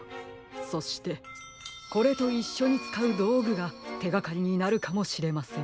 そしてこれといっしょにつかうどうぐがてがかりになるかもしれません。